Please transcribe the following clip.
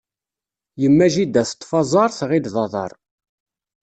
Yemma jida teṭṭef aẓaṛ, tɣil d aḍaṛ.